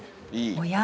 おや？